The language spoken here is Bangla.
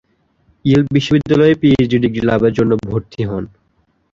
ইয়েল বিশ্ববিদ্যালয়ে পিএইচডি ডিগ্রি লাভের জন্য ভরতি হন।